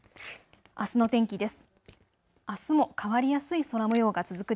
あすの天気です。